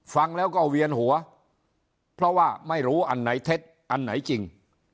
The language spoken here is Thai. ฟังแล้วก็เวียนหัวเพราะว่าไม่รู้อันไหนเท็จอันไหนจริง